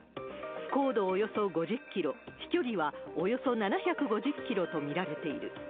高度およそ５０キロ、飛距離はおよそ７５０キロと見られている。